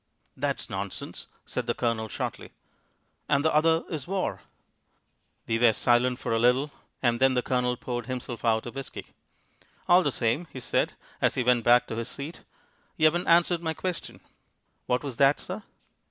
"That's nonsense," said the Colonel shortly. "And the other is war." We were silent for a little, and then the Colonel poured himself out a whisky. "All the same," he said, as he went back to his seat, "you haven't answered my question." "What was that, sir?"